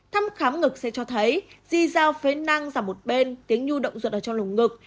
thăm khám ngực sẽ cho thấy di giao phế năng giảm một bên tiếng nhu động giật ở trong lồng ngực